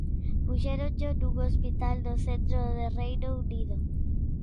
Puxéronllo nun hospital do centro de Reino Unido.